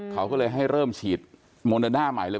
เขาก็เลยให้เริ่มฉีดโมเดอร์น่าใหม่เลย